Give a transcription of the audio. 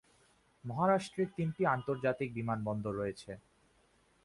মহারাষ্ট্রের তিনটি আন্তর্জাতিক বিমান বন্দর রয়েছে।